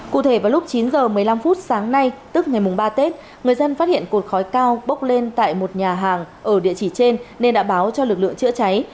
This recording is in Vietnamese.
cụ thể vào lúc chín h một mươi năm phút sáng nay tức ngày ba tết người dân phát hiện cột khói cao bốc lên tại một nhà hàng ở địa chỉ trên nên đã báo cho lực lượng chữa cháy